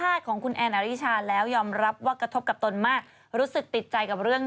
เอาจริงไปกินจริงวันนี้ไปกินจริง